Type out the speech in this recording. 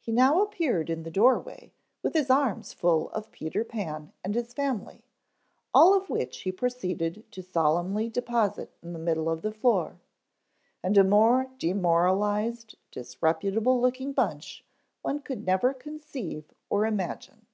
He now appeared in the doorway with his arms full of Peter Pan and his family, all of which he proceeded to solemnly deposit in the middle of the floor. And a more demoralized, disreputable looking bunch one could never conceive or imagine.